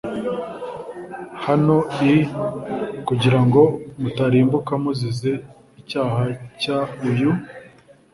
hano i kugira ngo mutarimbuka muzize icyaha cy uyu